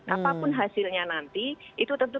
apapun hasilnya nanti itu tentu